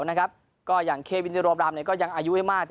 นะครับก็อย่างเควินิโรบรามเนี้ยก็ยังอายุให้มากแต่